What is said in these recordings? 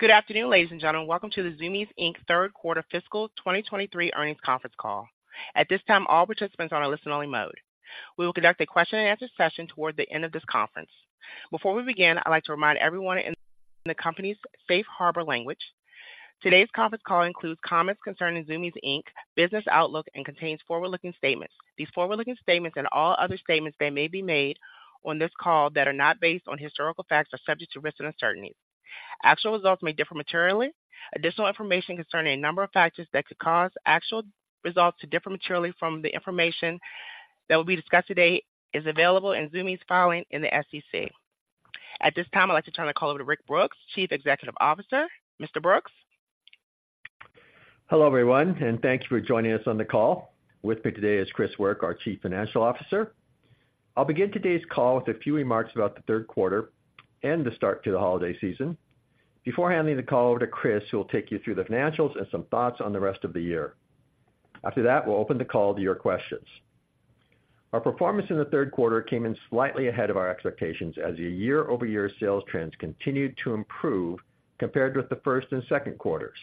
Good afternoon, ladies and gentlemen. Welcome to the Zumiez Inc. third quarter fiscal 2023 earnings conference call. At this time, all participants are on a listen-only mode. We will conduct a question-and-answer session toward the end of this conference. Before we begin, I'd like to remind everyone in the company's safe harbor language. Today's conference call includes comments concerning Zumiez Inc.'s business outlook, and contains forward-looking statements. These forward-looking statements and all other statements that may be made on this call that are not based on historical facts, are subject to risks and uncertainties. Actual results may differ materially. Additional information concerning a number of factors that could cause actual results to differ materially from the information that will be discussed today is available in Zumiez's filing in the SEC. At this time, I'd like to turn the call over to Rick Brooks, Chief Executive Officer. Mr. Brooks? Hello, everyone, and thank you for joining us on the call. With me today is Chris Work, our Chief Financial Officer. I'll begin today's call with a few remarks about the third quarter and the start to the holiday season. Before handing the call over to Chris, who will take you through the financials and some thoughts on the rest of the year. After that, we'll open the call to your questions. Our performance in the third quarter came in slightly ahead of our expectations, as the year-over-year sales trends continued to improve compared with the first and second quarters.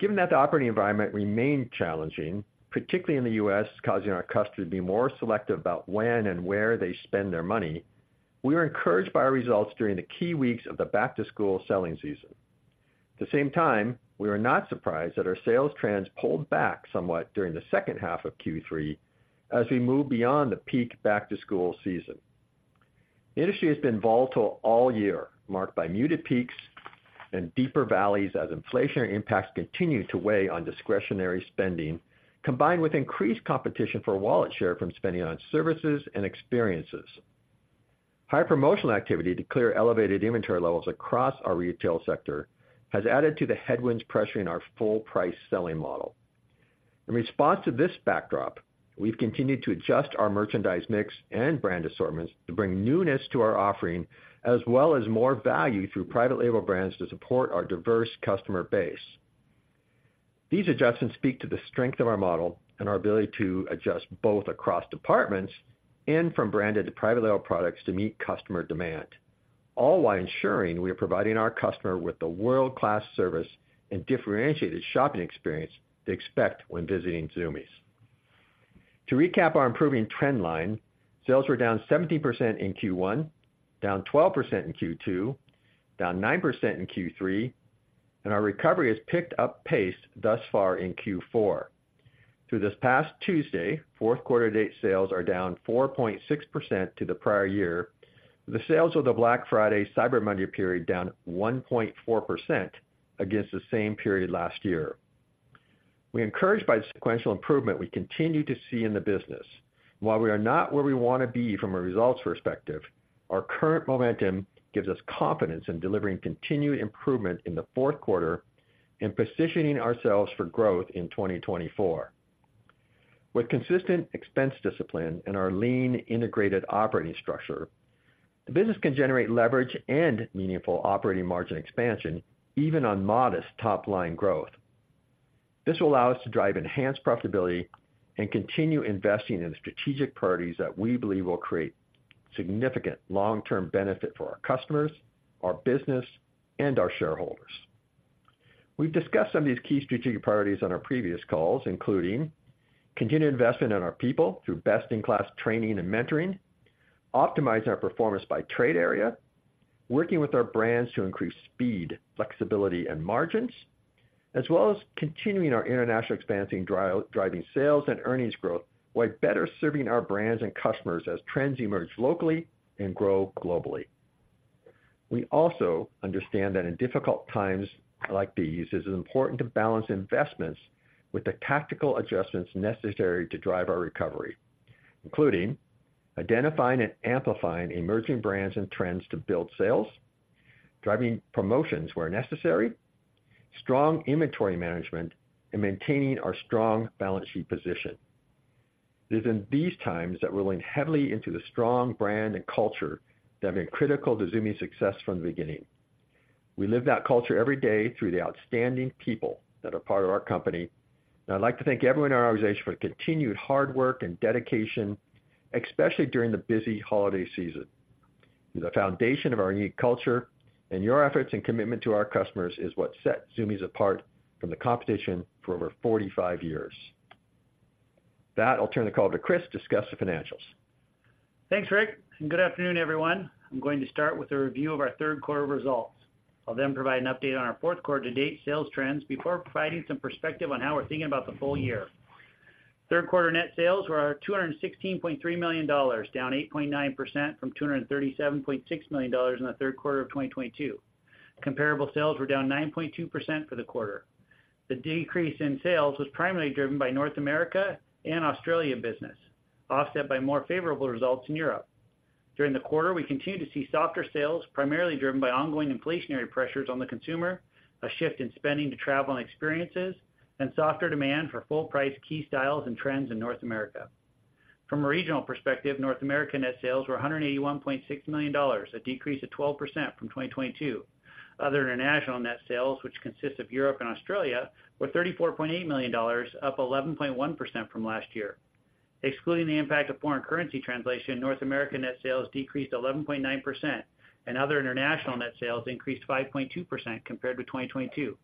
Given that the operating environment remained challenging, particularly in the U.S., causing our customers to be more selective about when and where they spend their money, we were encouraged by our results during the key weeks of the back-to-school selling season. At the same time, we were not surprised that our sales trends pulled back somewhat during the second half of Q3 as we moved beyond the peak back-to-school season. The industry has been volatile all year, marked by muted peaks and deeper valleys as inflationary impacts continue to weigh on discretionary spending, combined with increased competition for wallet share from spending on services and experiences. Higher promotional activity to clear elevated inventory levels across our retail sector has added to the headwinds pressuring our full price selling model. In response to this backdrop, we've continued to adjust our merchandise mix and brand assortments to bring newness to our offering, as well as more value through private label brands to support our diverse customer base. These adjustments speak to the strength of our model and our ability to adjust both across departments and from branded to private label products to meet customer demand, all while ensuring we are providing our customer with the world-class service and differentiated shopping experience they expect when visiting Zumiez. To recap our improving trend line, sales were down 17% in Q1, down 12% in Q2, down 9% in Q3, and our recovery has picked up pace thus far in Q4. Through this past Tuesday, fourth quarter to date, sales are down 4.6% to the prior year. The sales of the Black Friday, Cyber Monday period down 1.4% against the same period last year. We're encouraged by the sequential improvement we continue to see in the business. While we are not where we wanna be from a results perspective, our current momentum gives us confidence in delivering continued improvement in the fourth quarter and positioning ourselves for growth in 2024. With consistent expense discipline and our lean, integrated operating structure, the business can generate leverage and meaningful operating margin expansion, even on modest top-line growth. This will allow us to drive enhanced profitability and continue investing in the strategic priorities that we believe will create significant long-term benefit for our customers, our business, and our shareholders. We've discussed some of these key strategic priorities on our previous calls, including continued investment in our people through best-in-class training and mentoring, optimizing our performance by trade area, working with our brands to increase speed, flexibility, and margins, as well as continuing our international expansion, driving sales and earnings growth, while better serving our brands and customers as trends emerge locally and grow globally. We also understand that in difficult times like these, it's important to balance investments with the tactical adjustments necessary to drive our recovery, including identifying and amplifying emerging brands and trends to build sales, driving promotions where necessary, strong inventory management, and maintaining our strong balance sheet position. It is in these times that we lean heavily into the strong brand and culture that have been critical to Zumiez's success from the beginning. We live that culture every day through the outstanding people that are part of our company, and I'd like to thank everyone in our organization for their continued hard work and dedication, especially during the busy holiday season. You're the foundation of our unique culture, and your efforts and commitment to our customers is what sets Zumiez apart from the competition for over 45 years. With that, I'll turn the call to Chris to discuss the financials. Thanks, Rick, and good afternoon, everyone. I'm going to start with a review of our third quarter results. I'll then provide an update on our fourth quarter to date sales trends before providing some perspective on how we're thinking about the full year. Third quarter net sales were at $216.3 million, down 8.9% from $237.6 million in the third quarter of 2022. Comparable sales were down 9.2% for the quarter. The decrease in sales was primarily driven by North America and Australia business, offset by more favorable results in Europe. During the quarter, we continued to see softer sales, primarily driven by ongoing inflationary pressures on the consumer, a shift in spending to travel and experiences, and softer demand for full price key styles and trends in North America. From a regional perspective, North America net sales were $181.6 million, a decrease of 12% from 2022. Other international net sales, which consists of Europe and Australia, were $34.8 million, up 11.1% from last year. ... excluding the impact of foreign currency translation, North America net sales decreased 11.9%, and other international net sales increased 5.2% compared to 2022.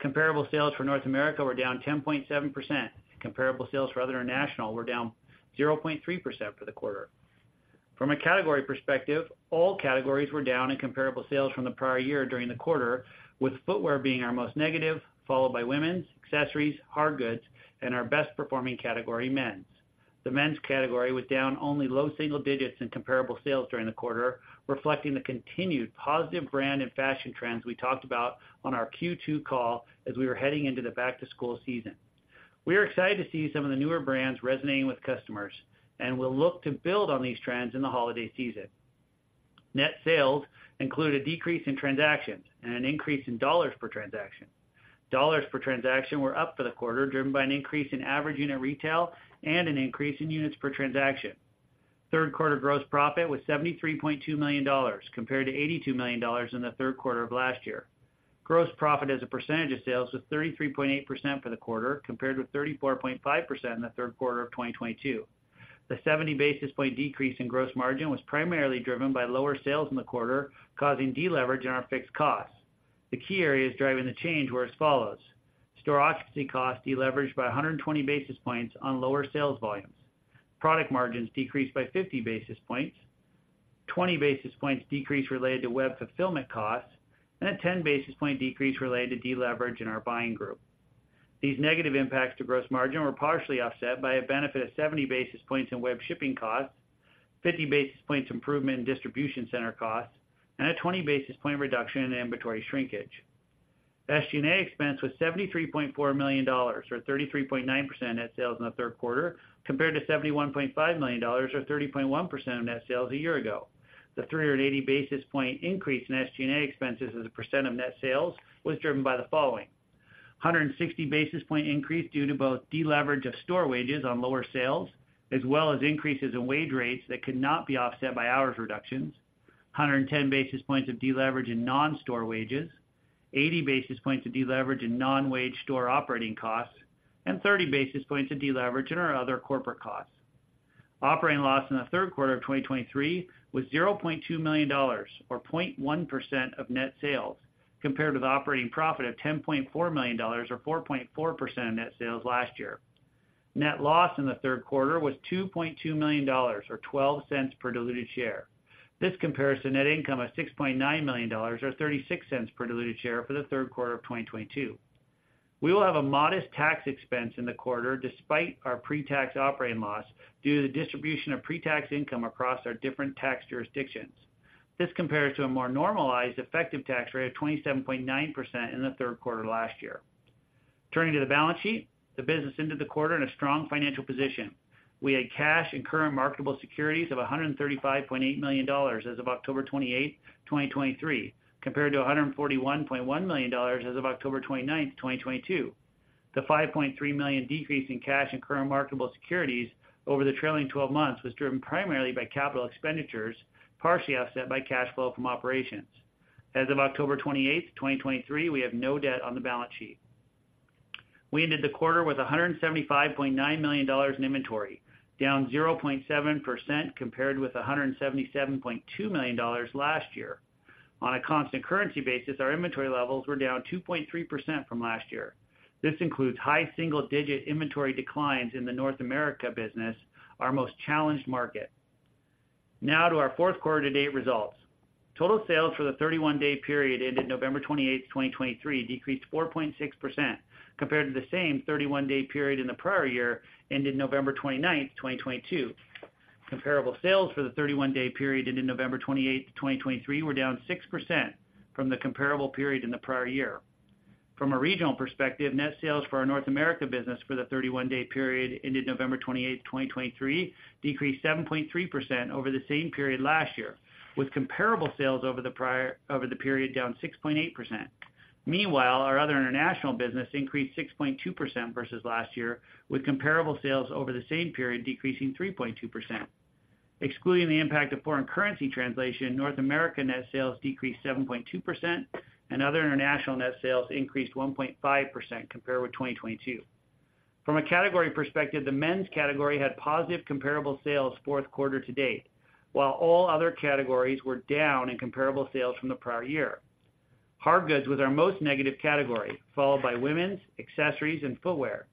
Comparable sales for North America were down 10.7%. Comparable sales for other international were down 0.3% for the quarter. From a category perspective, all categories were down in comparable sales from the prior year during the quarter, with footwear being our most negative, followed by women's, accessories, hardgoods, and our best-performing category, men's. The men's category was down only low single digits in comparable sales during the quarter, reflecting the continued positive brand and fashion trends we talked about on our Q2 call as we were heading into the back-to-school season. We are excited to see some of the newer brands resonating with customers, and we'll look to build on these trends in the holiday season. Net sales include a decrease in transactions and an increase in dollars per transaction. Dollars per transaction were up for the quarter, driven by an increase in average unit retail and an increase in units per transaction. Third quarter gross profit was $73.2 million, compared to $82 million in the third quarter of last year. Gross profit as a percentage of sales was 33.8% for the quarter, compared with 34.5% in the third quarter of 2022. The 70 basis point decrease in gross margin was primarily driven by lower sales in the quarter, causing deleverage in our fixed costs. The key areas driving the change were as follows: store occupancy costs deleveraged by 120 basis points on lower sales volumes, product margins decreased by 50 basis points, 20 basis points decrease related to web fulfillment costs, and a 10 basis point decrease related to deleverage in our buying group. These negative impacts to gross margin were partially offset by a benefit of 70 basis points in web shipping costs, 50 basis points improvement in distribution center costs, and a 20 basis point reduction in inventory shrinkage. SG&A expense was $73.4 million, or 33.9% net sales in the third quarter, compared to $71.5 million, or 30.1% of net sales a year ago. The 380 basis points increase in SG&A expenses as a percent of net sales was driven by the following: a 160 basis points increase due to both deleverage of store wages on lower sales, as well as increases in wage rates that could not be offset by hours reductions, 110 basis points of deleverage in non-store wages, 80 basis points of deleverage in non-wage store operating costs, and 30 basis points of deleverage in our other corporate costs. Operating loss in the third quarter of 2023 was $0.2 million, or 0.1% of net sales, compared with operating profit of $10.4 million, or 4.4% of net sales last year. Net loss in the third quarter was $2.2 million, or $0.12 per diluted share. This compares to net income of $6.9 million, or $0.36 per diluted share for the third quarter of 2022. We will have a modest tax expense in the quarter, despite our pre-tax operating loss, due to the distribution of pre-tax income across our different tax jurisdictions. This compares to a more normalized effective tax rate of 27.9% in the third quarter last year. Turning to the balance sheet, the business ended the quarter in a strong financial position. We had cash and current marketable securities of $135.8 million as of October 28, 2023, compared to $141.1 million as of October 29, 2022. The $5.3 million decrease in cash and current marketable securities over the trailing 12 months was driven primarily by capital expenditures, partially offset by cash flow from operations. As of October 28, 2023, we have no debt on the balance sheet. We ended the quarter with $175.9 million in inventory, down 0.7% compared with $177.2 million last year. On a constant currency basis, our inventory levels were down 2.3% from last year. This includes high single-digit inventory declines in the North America business, our most challenged market. Now to our fourth quarter to date results. Total sales for the 31-day period ended November 28, 2023, decreased 4.6% compared to the same 31-day period in the prior year, ended November 29, 2022. Comparable sales for the 31-day period ended November 28, 2023, were down 6% from the comparable period in the prior year. From a regional perspective, net sales for our North America business for the 31-day period ended November 28, 2023, decreased 7.3% over the same period last year, with comparable sales over the period down 6.8%. Meanwhile, our other international business increased 6.2% versus last year, with comparable sales over the same period decreasing 3.2%. Excluding the impact of foreign currency translation, North America net sales decreased 7.2%, and other international net sales increased 1.5% compared with 2022. From a category perspective, the men's category had positive comparable sales fourth quarter to date, while all other categories were down in comparable sales from the prior year. Hardgoods was our most negative category, followed by women's, accessories, and footwear.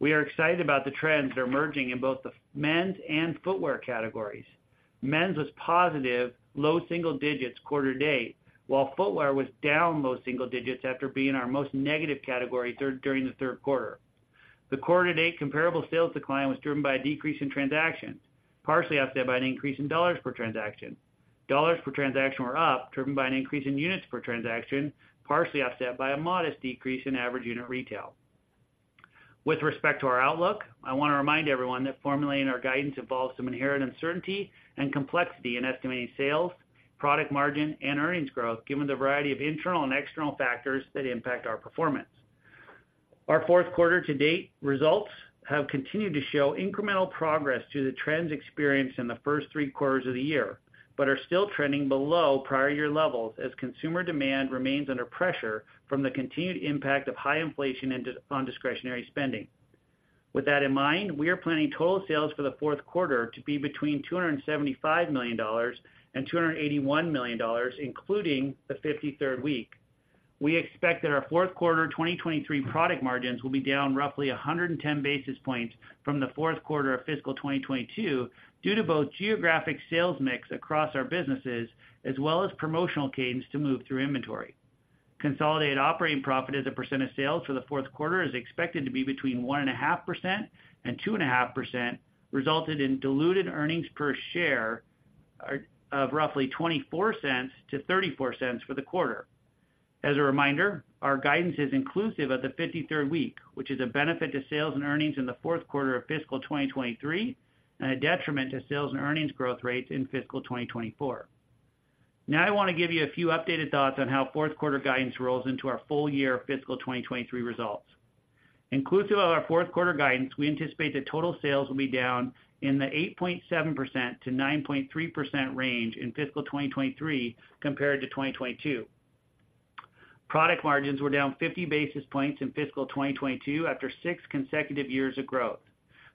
We are excited about the trends that are emerging in both the men's and footwear categories. Men's was positive, low single digits quarter to date, while footwear was down low single digits after being our most negative category during the third quarter. The quarter to date comparable sales decline was driven by a decrease in transactions, partially offset by an increase in dollars per transaction. Dollars per transaction were up, driven by an increase in units per transaction, partially offset by a modest decrease in average unit retail. With respect to our outlook, I wanna remind everyone that formulating our guidance involves some inherent uncertainty and complexity in estimating sales, product margin, and earnings growth, given the variety of internal and external factors that impact our performance. Our fourth quarter to date results have continued to show incremental progress to the trends experienced in the first three quarters of the year, but are still trending below prior year levels as consumer demand remains under pressure from the continued impact of high inflation on discretionary spending. With that in mind, we are planning total sales for the fourth quarter to be between $275 million and $281 million, including the 53rd week. We expect that our fourth quarter 2023 product margins will be down roughly 110 basis points from the fourth quarter of fiscal 2022, due to both geographic sales mix across our businesses, as well as promotional cadence to move through inventory. Consolidated operating profit as a percent of sales for the fourth quarter is expected to be between 1.5% and 2.5%, resulted in diluted earnings per share of roughly $0.24-$0.34 for the quarter. As a reminder, our guidance is inclusive of the 53rd week, which is a benefit to sales and earnings in the fourth quarter of fiscal 2023, and a detriment to sales and earnings growth rates in fiscal 2024. Now, I want to give you a few updated thoughts on how fourth quarter guidance rolls into our full year fiscal 2023 results. Inclusive of our fourth quarter guidance, we anticipate that total sales will be down in the 8.7%-9.3% range in fiscal 2023 compared to 2022. Product margins were down 50 basis points in fiscal 2022 after six consecutive years of growth.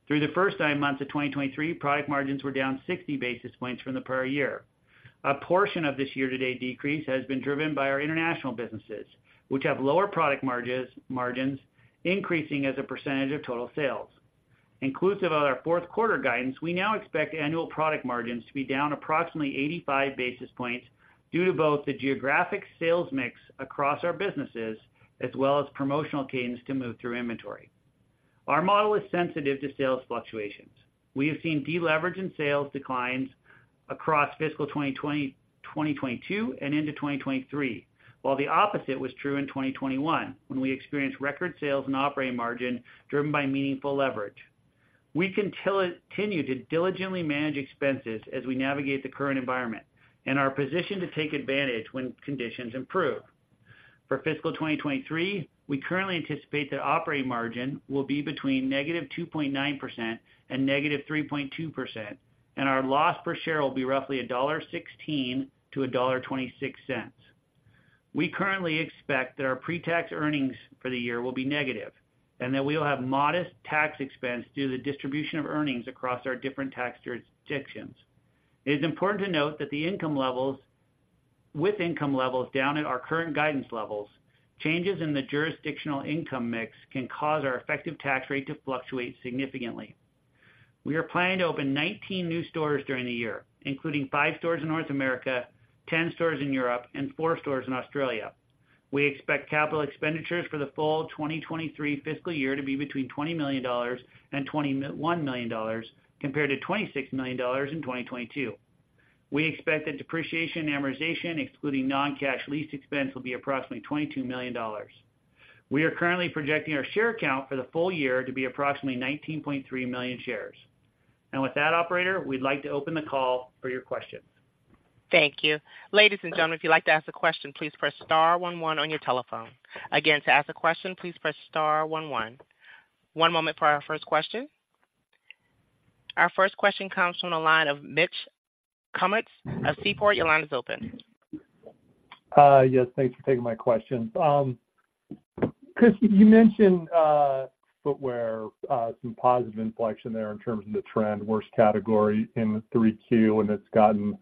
Through the first nine months of 2023, product margins were down 60 basis points from the prior year. A portion of this year-to-date decrease has been driven by our international businesses, which have lower product margins, increasing as a percentage of total sales. Inclusive of our fourth quarter guidance, we now expect annual product margins to be down approximately 85 basis points due to both the geographic sales mix across our businesses, as well as promotional cadence to move through inventory. Our model is sensitive to sales fluctuations. We have seen deleverage in sales declines across fiscal 2020, 2022 and into 2023, while the opposite was true in 2021, when we experienced record sales and operating margin, driven by meaningful leverage. We continue to diligently manage expenses as we navigate the current environment and are positioned to take advantage when conditions improve. For fiscal 2023, we currently anticipate that operating margin will be between -2.9% and -3.2%, and our loss per share will be roughly $1.16-$1.26. We currently expect that our pre-tax earnings for the year will be negative and that we will have modest tax expense due to the distribution of earnings across our different tax jurisdictions. It is important to note that with income levels down at our current guidance levels, changes in the jurisdictional income mix can cause our effective tax rate to fluctuate significantly. We are planning to open 19 new stores during the year, including five stores in North America, 10 stores in Europe, and four stores in Australia. We expect capital expenditures for the full 2023 fiscal year to be between $20 million and $21 million, compared to $26 million in 2022. We expect that depreciation, amortization, excluding non-cash lease expense, will be approximately $22 million. We are currently projecting our share count for the full year to be approximately 19.3 million shares. And with that, operator, we'd like to open the call for your questions. Thank you. Ladies and gentlemen, if you'd like to ask a question, please press star one one on your telephone. Again, to ask a question, please press star one one. One moment for our first question. Our first question comes from the line of Mitch Kummetz of Seaport. Your line is open. Yes, thanks for taking my question. Chris, you mentioned footwear, some positive inflection there in terms of the trend, worst category in the 3Q, and it's gotten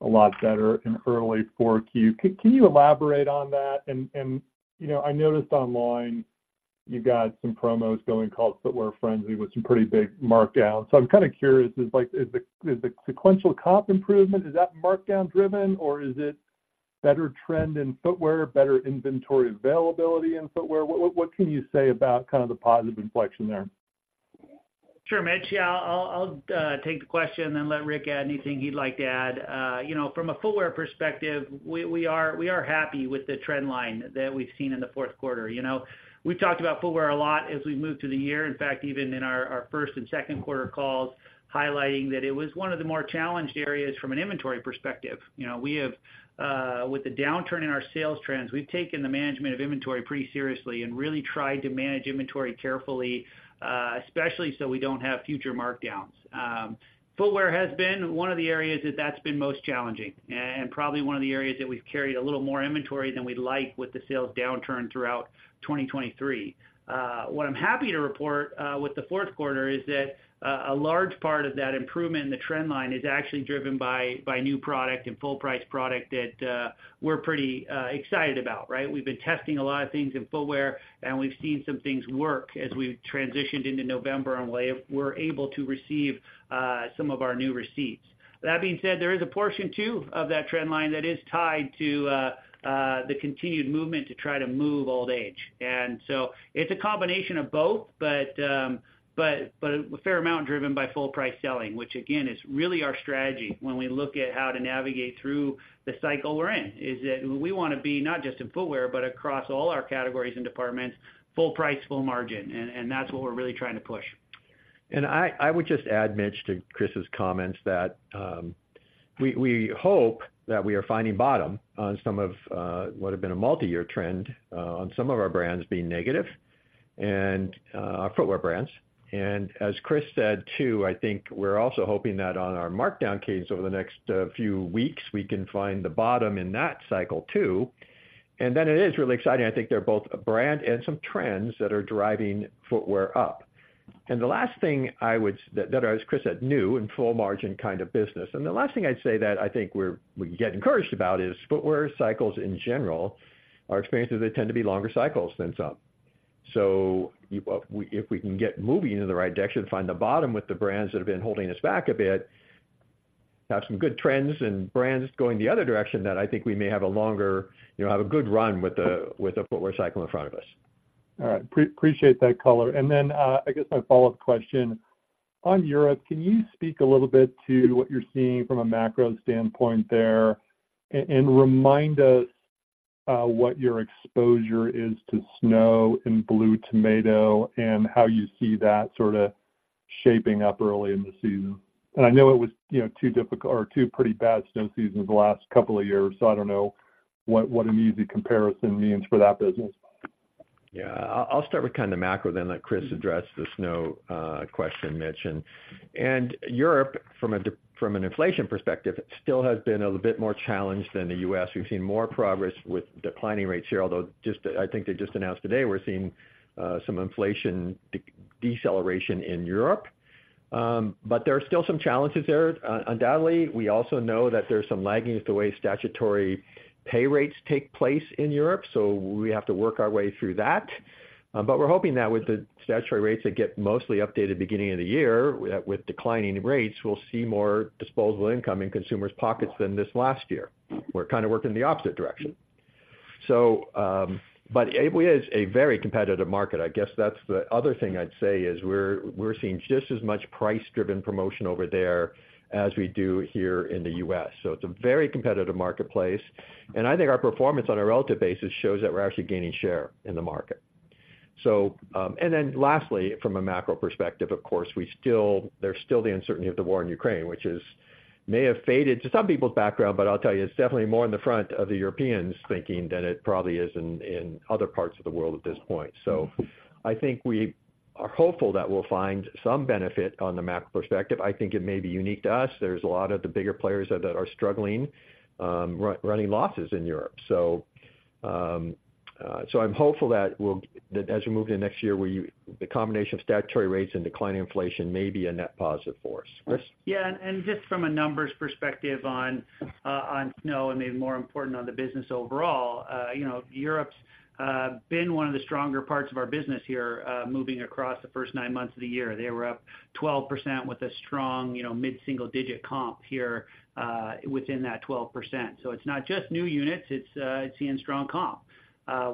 a lot better in early 4Q. Can you elaborate on that? And you know, I noticed online you've got some promos going called Footwear Frenzy with some pretty big markdowns. So I'm kind of curious, is like, is the sequential comp improvement, is that markdown driven, or is it better trend in footwear, better inventory availability in footwear? What can you say about kind of the positive inflection there? Sure, Mitch. Yeah, I'll take the question and then let Rick add anything he'd like to add. You know, from a footwear perspective, we are happy with the trend line that we've seen in the fourth quarter. You know, we've talked about footwear a lot as we've moved through the year. In fact, even in our first and second quarter calls, highlighting that it was one of the more challenged areas from an inventory perspective. You know, we have, with the downturn in our sales trends, we've taken the management of inventory pretty seriously and really tried to manage inventory carefully, especially so we don't have future markdowns. Footwear has been one of the areas that that's been most challenging and probably one of the areas that we've carried a little more inventory than we'd like with the sales downturn throughout 2023. What I'm happy to report with the fourth quarter is that a large part of that improvement in the trend line is actually driven by new product and full price product that we're pretty excited about, right? We've been testing a lot of things in footwear, and we've seen some things work as we've transitioned into November, and we're able to receive some of our new receipts. That being said, there is a portion, too, of that trend line that is tied to the continued movement to try to move old age. And so it's a combination of both, but a fair amount driven by full price selling, which again, is really our strategy when we look at how to navigate through the cycle we're in. Is that we want to be not just in footwear, but across all our categories and departments, full price, full margin, and that's what we're really trying to push. And I would just add, Mitch, to Chris's comments, that we hope that we are finding bottom on some of what have been a multi-year trend on some of our brands being negative and footwear brands. And as Chris said, too, I think we're also hoping that on our markdown cadence over the next few weeks, we can find the bottom in that cycle too. And then it is really exciting. I think they're both a brand and some trends that are driving footwear up. And the last thing I would, as Chris said, new and full margin kind of business. And the last thing I'd say that I think we can get encouraged about is footwear cycles, in general, our experience is they tend to be longer cycles than some. So, if we can get moving in the right direction, find the bottom with the brands that have been holding us back a bit, have some good trends and brands going the other direction, then I think we may have a longer, you know, have a good run with the footwear cycle in front of us. All right, appreciate that color. And then, I guess my follow-up question, on Europe, can you speak a little bit to what you're seeing from a macro standpoint there? And remind us, what your exposure is to snow and Blue Tomato, and how you see that sort of shaping up early in the season. And I know it was, you know, two difficult or two pretty bad snow seasons the last couple of years, so I don't know what an easy comparison means for that business. Yeah. I'll start with kind of macro then let Chris address the snow question, Mitch. Europe, from an inflation perspective, still has been a bit more challenged than the U.S. We've seen more progress with declining rates here, although just, I think they just announced today, we're seeing some inflation deceleration in Europe. But there are still some challenges there. Undoubtedly, we also know that there's some lagging with the way statutory pay rates take place in Europe, so we have to work our way through that. But we're hoping that with the statutory rates that get mostly updated beginning of the year, with declining rates, we'll see more disposable income in consumers' pockets than this last year. We're kind of working in the opposite direction. So, but it is a very competitive market. I guess that's the other thing I'd say is we're seeing just as much price-driven promotion over there as we do here in the U.S. So it's a very competitive marketplace, and I think our performance on a relative basis shows that we're actually gaining share in the market. So, and then lastly, from a macro perspective, of course, we still, there's still the uncertainty of the war in Ukraine, which may have faded to some people's background, but I'll tell you, it's definitely more in the front of the Europeans' thinking than it probably is in other parts of the world at this point. So I think we are hopeful that we'll find some benefit on the macro perspective. I think it may be unique to us. There's a lot of the bigger players that are struggling, running losses in Europe. I'm hopeful that as we move into next year, we, the combination of statutory rates and declining inflation may be a net positive for us. Chris? Just from a numbers perspective on snow and maybe more important on the business overall, you know, Europe's been one of the stronger parts of our business here, moving across the first nine months of the year. They were up 12% with a strong, you know, mid-single digit comp here, within that 12%. So it's not just new units, it's seeing strong comp.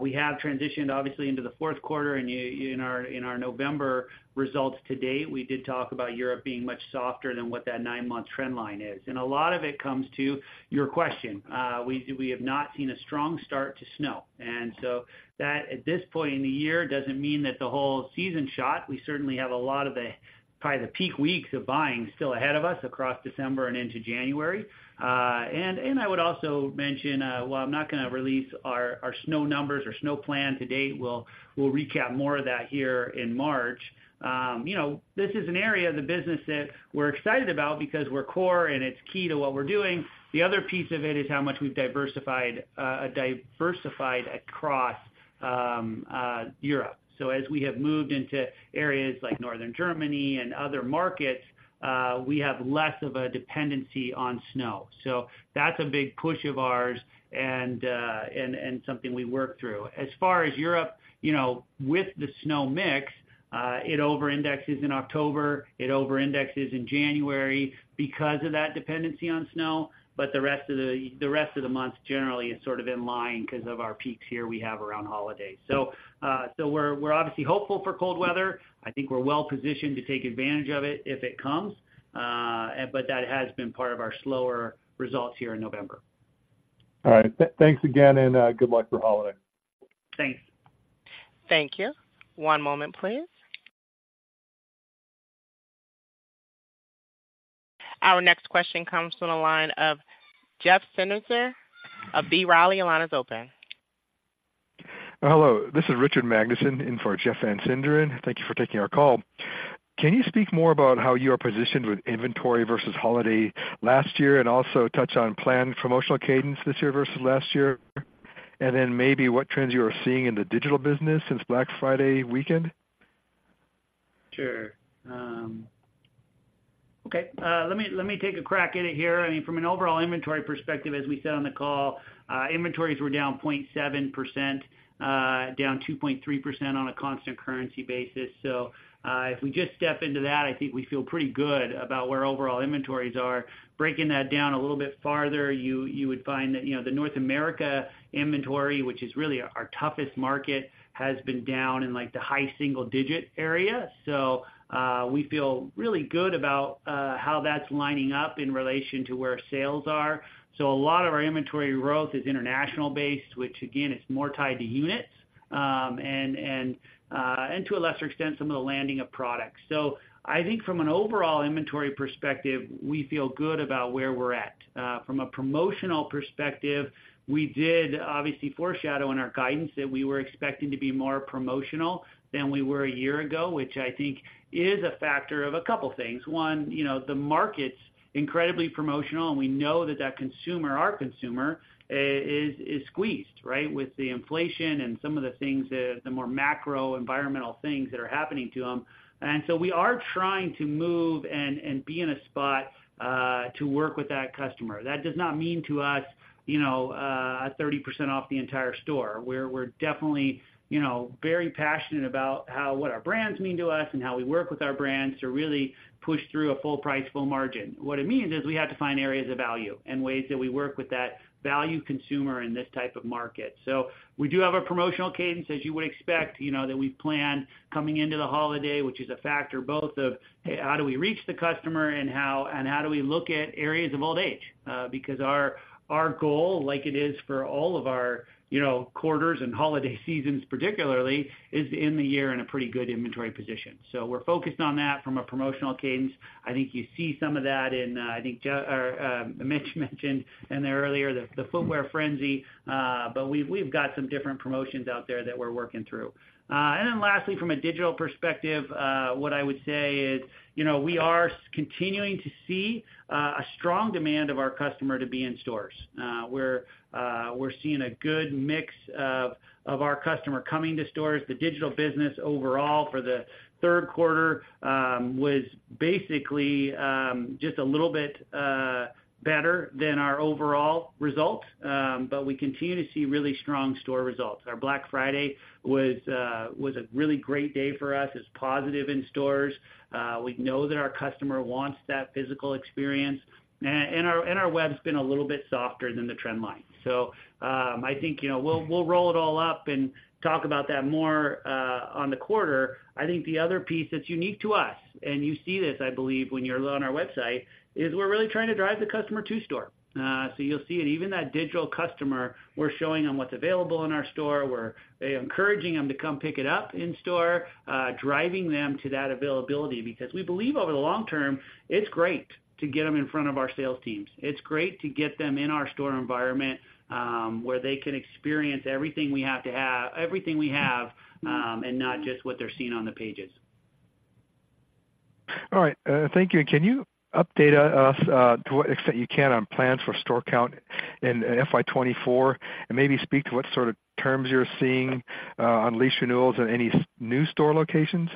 We have transitioned, obviously, into the fourth quarter, and in our November results to date, we did talk about Europe being much softer than what that nine-month trend line is. And a lot of it comes to your question. We have not seen a strong start to snow. And so that, at this point in the year, doesn't mean that the whole season's shot. We certainly have a lot of the, probably, the peak weeks of buying still ahead of us across December and into January. And I would also mention, while I'm not gonna release our snow numbers or snow plan to date, we'll recap more of that here in March. You know, this is an area of the business that we're excited about because we're core, and it's key to what we're doing. The other piece of it is how much we've diversified across Europe. So as we have moved into areas like Northern Germany and other markets, we have less of a dependency on snow. So that's a big push of ours and something we work through. As far as Europe, you know, with the snow mix, it overindexes in October, it overindexes in January because of that dependency on snow, but the rest of the months generally is sort of in line because of our peaks here we have around holidays. So, we're obviously hopeful for cold weather. I think we're well positioned to take advantage of it if it comes, but that has been part of our slower results here in November. All right. Thanks again, and good luck for holiday. Thanks. Thank you. One moment, please. Our next question comes from the line of Jeff Van Sinderen of B. Riley. Your line is open. Hello, this is Richard Magnusen in for Jeff Van Sinderen. Thank you for taking our call. Can you speak more about how you are positioned with inventory versus holiday last year, and also touch on planned promotional cadence this year versus last year? And then maybe what trends you are seeing in the digital business since Black Friday weekend? Sure, okay, let me take a crack at it here. I mean, from an overall inventory perspective, as we said on the call, inventories were down 0.7%, down 2.3% on a constant currency basis. So, if we just step into that, I think we feel pretty good about where overall inventories are. Breaking that down a little bit farther, you would find that, you know, the North America inventory, which is really our toughest market, has been down in, like, the high single-digit area. So, we feel really good about how that's lining up in relation to where sales are. So a lot of our inventory growth is international based, which again, is more tied to units, and to a lesser extent, some of the landing of products. I think from an overall inventory perspective, we feel good about where we're at. From a promotional perspective, we did obviously foreshadow in our guidance that we were expecting to be more promotional than we were a year ago, which I think is a factor of a couple things. One, you know, the market's incredibly promotional, and we know that that consumer, our consumer, is squeezed, right? With the inflation and some of the things, the more macro environmental things that are happening to them. And so we are trying to move and be in a spot to work with that customer. That does not mean to us, you know, 30% off the entire store. We're definitely, you know, very passionate about how what our brands mean to us and how we work with our brands to really push through a full price, full margin. What it means is we have to find areas of value and ways that we work with that value consumer in this type of market. So we do have a promotional cadence, as you would expect, you know, that we've planned coming into the holiday, which is a factor both of, hey, how do we reach the customer and how and how do we look at areas of old age? Because our goal, like it is for all of our, you know, quarters and holiday seasons, particularly, is to end the year in a pretty good inventory position. So we're focused on that from a promotional cadence. I think you see some of that in, I think, Jeff or Mitch mentioned in there earlier, the Footwear Frenzy, but we've got some different promotions out there that we're working through. And then lastly, from a digital perspective, what I would say is, you know, we are continuing to see a strong demand of our customer to be in stores. We're seeing a good mix of our customer coming to stores. The digital business overall for the third quarter was basically just a little bit better than our overall results, but we continue to see really strong store results. Our Black Friday was a really great day for us, it's positive in stores. We know that our customer wants that physical experience, and our web's been a little bit softer than the trend line. So, I think, you know, we'll roll it all up and talk about that more on the quarter. I think the other piece that's unique to us, and you see this, I believe, when you're on our website, is we're really trying to drive the customer to store. So you'll see it, even that digital customer, we're showing them what's available in our store. We're encouraging them to come pick it up in store, driving them to that availability, because we believe over the long term, it's great to get them in front of our sales teams. It's great to get them in our store environment, where they can experience everything we have, and not just what they're seeing on the pages. All right, thank you. Can you update us, to what extent you can, on plans for store count in FY 2024, and maybe speak to what sort of terms you're seeing on lease renewals and any new store locations?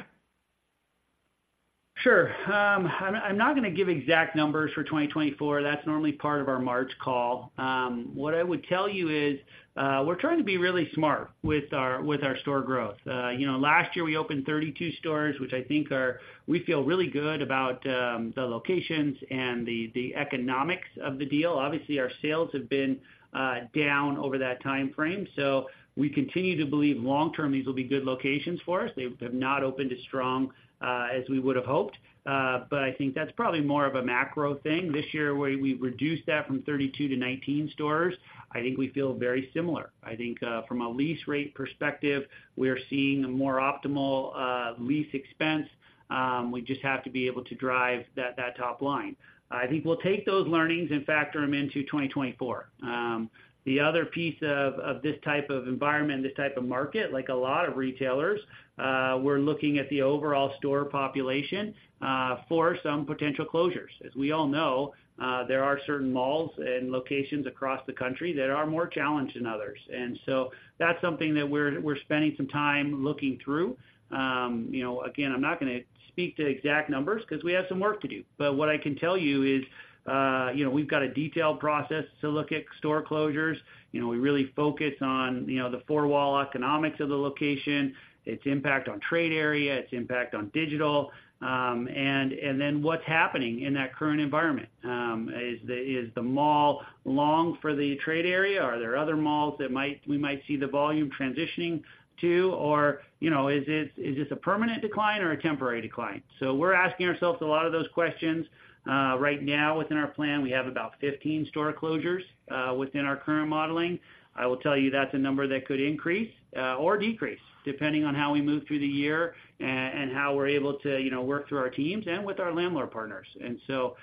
Sure. I'm not gonna give exact numbers for 2024. That's normally part of our March call. What I would tell you is, we're trying to be really smart with our store growth. You know, last year, we opened 32 stores, which I think are... We feel really good about the locations and the economics of the deal. Obviously, our sales have been down over that time frame, so we continue to believe long term, these will be good locations for us. They have not opened as strong as we would have hoped, but I think that's probably more of a macro thing. This year, we've reduced that from 32 to 19 stores. I think we feel very similar. I think from a lease rate perspective, we're seeing a more optimal lease expense. We just have to be able to drive that top line. I think we'll take those learnings and factor them into 2024. The other piece of this type of environment, this type of market, like a lot of retailers, we're looking at the overall store population for some potential closures. As we all know, there are certain malls and locations across the country that are more challenged than others. And so that's something that we're spending some time looking through. You know, again, I'm not gonna speak to exact numbers because we have some work to do. But what I can tell you is, you know, we've got a detailed process to look at store closures. You know, we really focus on, you know, the four-wall economics of the location, its impact on trade area, its impact on digital, and, and then what's happening in that current environment. Is the mall gone for the trade area? Are there other malls that might we might see the volume transitioning to? Or, you know, is it, is this a permanent decline or a temporary decline? So we're asking ourselves a lot of those questions. Right now, within our plan, we have about 15 store closures within our current modeling. I will tell you that's a number that could increase or decrease, depending on how we move through the year and how we're able to, you know, work through our teams and with our landlord partners. So,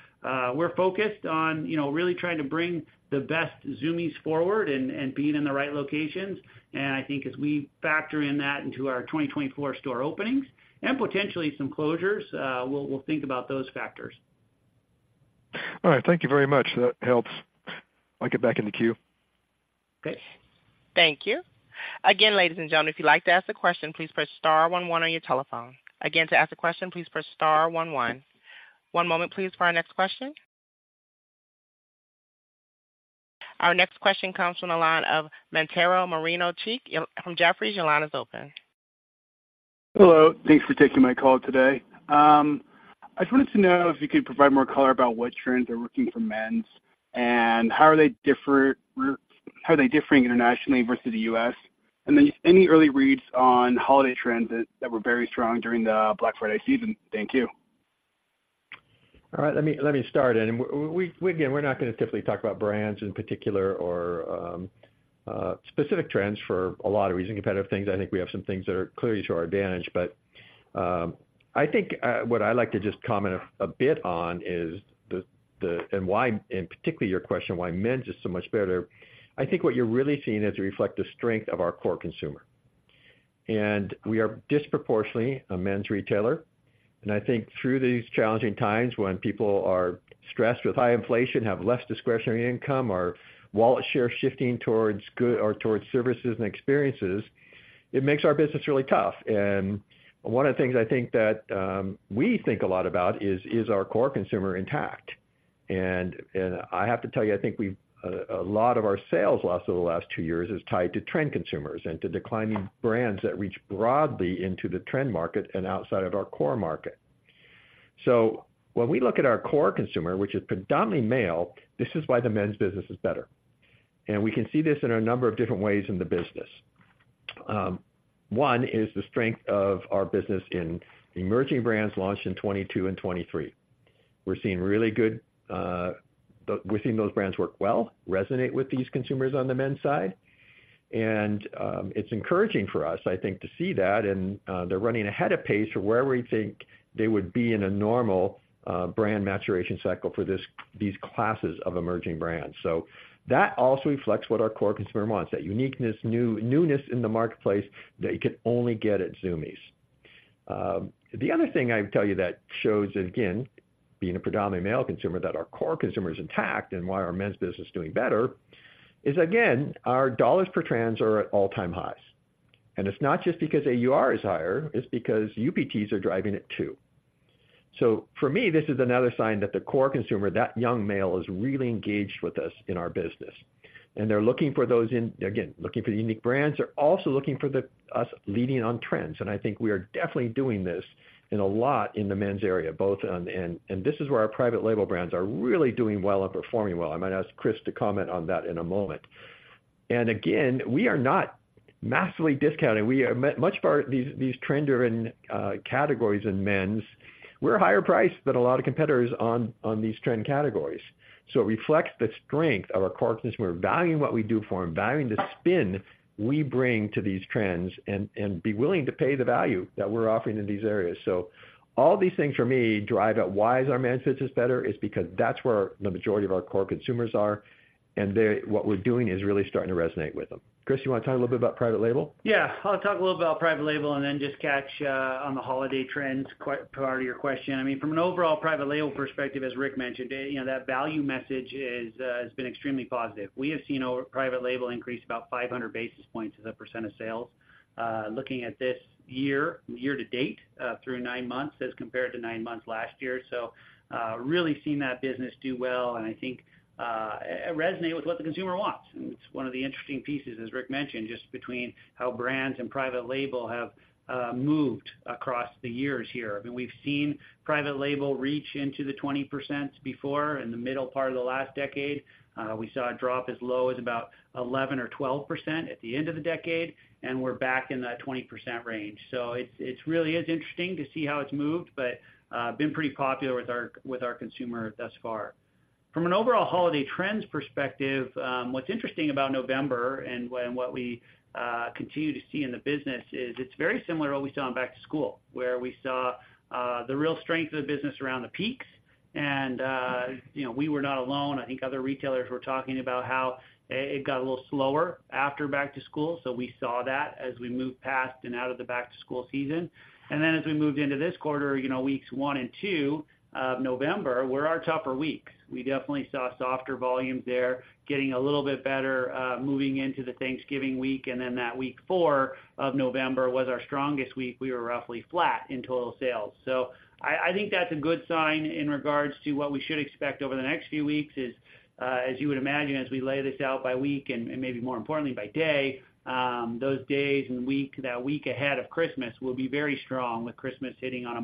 we're focused on, you know, really trying to bring the best Zumiez forward and, and being in the right locations. I think as we factor in that into our 2024 store openings, and potentially some closures, we'll, we'll think about those factors. All right. Thank you very much. That helps. I'll get back in the queue. Thank you. Again, ladies and gentlemen, if you'd like to ask a question, please press star one one on your telephone. Again, to ask a question, please press star one one. One moment, please, for our next question. Our next question comes from the line of Mantero Moreno-Cheek from Jefferies. Your line is open. Hello, thanks for taking my call today. I just wanted to know if you could provide more color about what trends are working for men's, and how are they differing internationally versus the U.S.? And then any early reads on holiday trends that were very strong during the Black Friday season? Thank you. All right, let me start. We, again, we're not gonna typically talk about brands in particular or specific trends for a lot of reasons, competitive things. I think we have some things that are clearly to our advantage. But I think what I'd like to just comment a bit on is the... and why, and particularly your question, why men's is so much better. I think what you're really seeing is a reflective strength of our core consumer. We are disproportionately a men's retailer, and I think through these challenging times, when people are stressed with high inflation, have less discretionary income, our wallet share shifting towards goods or towards services and experiences, it makes our business really tough. One of the things I think that we think a lot about is our core consumer intact? And I have to tell you, I think we've a lot of our sales loss over the last two years is tied to trend consumers and to declining brands that reach broadly into the trend market and outside of our core market. So when we look at our core consumer, which is predominantly male, this is why the men's business is better, and we can see this in a number of different ways in the business. One is the strength of our business in emerging brands launched in 2022 and 2023. We're seeing really good, we're seeing those brands work well, resonate with these consumers on the men's side. And it's encouraging for us, I think, to see that. They're running ahead of pace for where we think they would be in a normal, brand maturation cycle for this, these classes of emerging brands. So that also reflects what our core consumer wants, that uniqueness, newness in the marketplace that you can only get at Zumiez. The other thing I'd tell you that shows, again, being a predominantly male consumer, that our core consumer is intact and why our men's business is doing better, is, again, our dollars per trans are at all-time highs. And it's not just because AUR is higher, it's because UPTs are driving it, too. So for me, this is another sign that the core consumer, that young male, is really engaged with us in our business, and they're looking for those, again, looking for the unique brands. They're also looking for us leading on trends, and I think we are definitely doing this in a lot in the men's area, both on... And, and this is where our private label brands are really doing well and performing well. I might ask Chris to comment on that in a moment. And again, we are not massively discounting. We are, much of our, these, these trend-driven, categories in men's, we're higher priced than a lot of competitors on, on these trend categories. So it reflects the strength of our core consumer, valuing what we do for them, valuing the spin we bring to these trends and, and be willing to pay the value that we're offering in these areas. So all these things, for me, drive at why is our men's business better, is because that's where the majority of our core consumers are, and they—what we're doing is really starting to resonate with them. Chris, you want to talk a little bit about private label? Yeah, I'll talk a little about private label and then just catch on the holiday trends, part of your question. I mean, from an overall private label perspective, as Rick mentioned, you know, that value message is has been extremely positive. We have seen our private label increase about 500 basis points as a percent of sales, looking at this year, year to date, through nine months as compared to nine months last year. So, really seeing that business do well, and I think it resonate with what the consumer wants. And it's one of the interesting pieces, as Rick mentioned, just between how brands and private label have moved across the years here. I mean, we've seen private label reach into the 20% before in the middle part of the last decade. We saw a drop as low as about 11% or 12% at the end of the decade, and we're back in that 20% range. So it's really is interesting to see how it's moved, but been pretty popular with our consumer thus far. From an overall holiday trends perspective, what's interesting about November and what we continue to see in the business is it's very similar to what we saw in back to school, where we saw the real strength of the business around the peaks. And you know, we were not alone. I think other retailers were talking about how it got a little slower after back to school. So we saw that as we moved past and out of the back to school season. Then as we moved into this quarter, you know, weeks one and two of November were our tougher weeks. We definitely saw softer volumes there, getting a little bit better, moving into the Thanksgiving week, and then that week four of November was our strongest week. We were roughly flat in total sales. So I think that's a good sign in regards to what we should expect over the next few weeks is, as you would imagine, as we lay this out by week and maybe more importantly by day, those days and week, that week ahead of Christmas will be very strong with Christmas hitting on a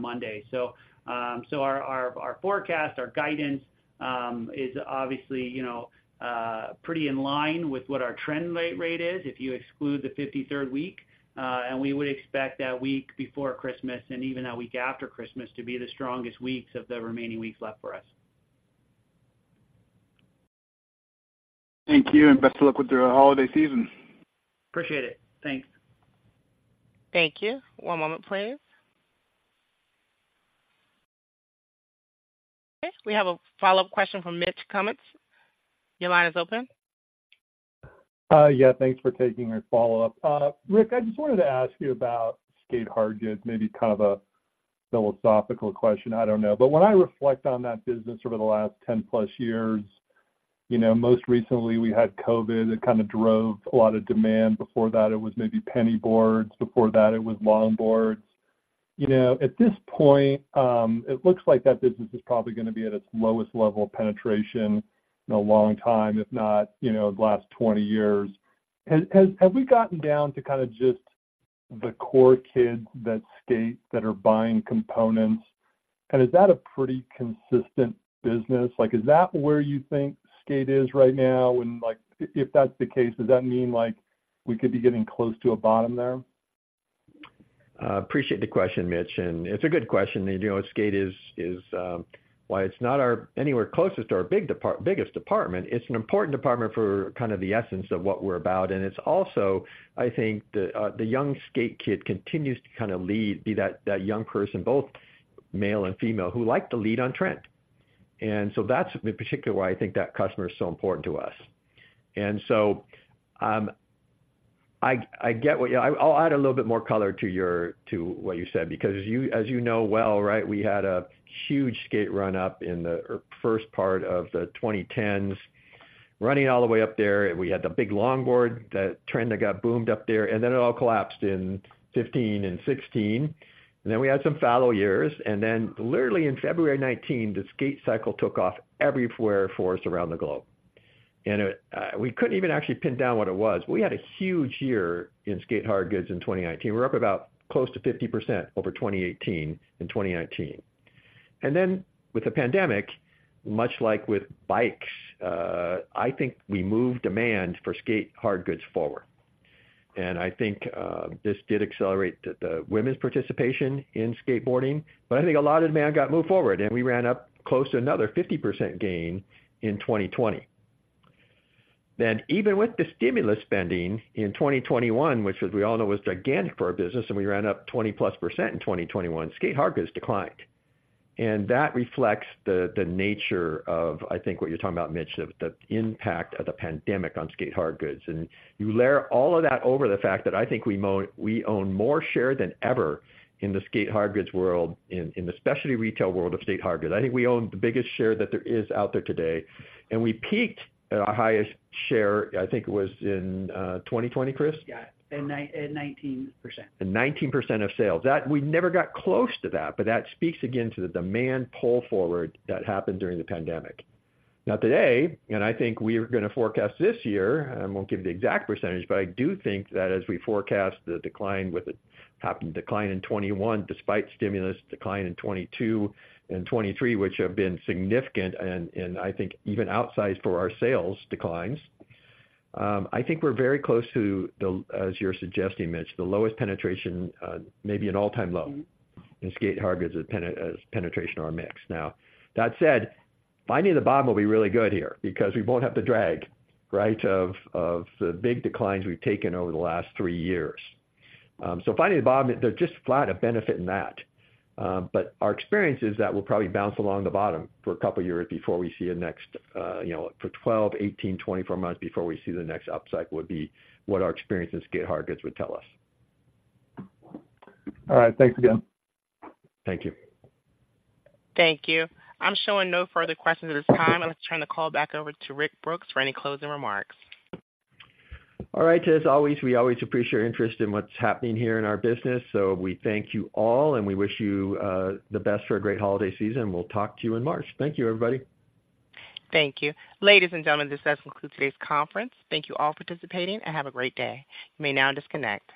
Monday. So our forecast, our guidance is obviously, you know, pretty in line with what our trend rate is, if you exclude the 53rd week. We would expect that week before Christmas and even that week after Christmas to be the strongest weeks of the remaining weeks left for us. Thank you, and best of luck with the holiday season. Appreciate it. Thanks. Thank you. One moment, please. Okay, we have a follow-up question from Mitch Kummetz. Your line is open. Yeah, thanks for taking our follow-up. Rick, I just wanted to ask you about skate hardgoods, maybe kind of a philosophical question, I don't know. But when I reflect on that business over the last 10+ years, you know, most recently we had COVID, it kind of drove a lot of demand. Before that, it was maybe Penny boards, before that, it was longboards. You know, at this point, it looks like that business is probably going to be at its lowest level of penetration in a long time, if not, you know, the last 20 years. Have we gotten down to kind of just the core kids that skate, that are buying components? And is that a pretty consistent business? Like, is that where you think skate is right now? Like, if that's the case, does that mean, like, we could be getting close to a bottom there? Appreciate the question, Mitch, and it's a good question. And, you know, skate is while it's not our anywhere closest to our biggest department, it's an important department for kind of the essence of what we're about. And it's also, I think, the young skate kid continues to kind of lead, be that young person, both male and female, who like to lead on trend. And so that's in particular why I think that customer is so important to us. And so, I get what you... I'll add a little bit more color to what you said, because you, as you know well, right, we had a huge skate run up in the first part of the 2010s, running all the way up there. We had the big longboard, that trend that got boomed up there, and then it all collapsed in 2015 and 2016. Then we had some fallow years, and then literally in February 2019, the skate cycle took off everywhere for us around the globe. And it, we couldn't even actually pin down what it was. We had a huge year in skate hardgoods in 2019. We're up about close to 50% over 2018 and 2019. Then with the pandemic, much like with bikes, I think we moved demand for skate hardgoods forward. And I think this did accelerate the women's participation in skateboarding, but I think a lot of demand got moved forward, and we ran up close to another 50% gain in 2020. Then, even with the stimulus spending in 2021, which, as we all know, was gigantic for our business, and we ran up 20%+ in 2021, skate hardgoods declined. And that reflects the nature of, I think, what you're talking about, Mitch, the impact of the pandemic on skate hardgoods. And you layer all of that over the fact that I think we own more share than ever in the skate hardgoods world, in the specialty retail world of skate hardgoods. I think we own the biggest share that there is out there today, and we peaked at our highest share, I think it was in 2020, Chris? Yeah, in 9 at 19%. In 19% of sales. That, we never got close to that, but that speaks again to the demand pull forward that happened during the pandemic. Now, today, and I think we are going to forecast this year, I won't give the exact percentage, but I do think that as we forecast the decline with the happened decline in 2021, despite stimulus decline in 2022 and 2023, which have been significant and I think even outsized for our sales declines. I think we're very close to the, as you're suggesting, Mitch, the lowest penetration, maybe an all-time low- Mm-hmm. in skate hardgoods as penetration on our mix. Now, that said, finding the bottom will be really good here because we won't have the drag, right, of the big declines we've taken over the last three years. So finding the bottom, there's just flat a benefit in that. But our experience is that we'll probably bounce along the bottom for a couple of years before we see a next, you know, for 12, 18, 24 months before we see the next upcycle, would be what our experience in skate hardgoods would tell us. All right. Thanks again. Thank you. Thank you. I'm showing no further questions at this time. I'd like to turn the call back over to Rick Brooks for any closing remarks. All right. As always, we always appreciate your interest in what's happening here in our business. So we thank you all, and we wish you the best for a great holiday season, and we'll talk to you in March. Thank you, everybody. Thank you. Ladies and gentlemen, this does conclude today's conference. Thank you all for participating and have a great day. You may now disconnect.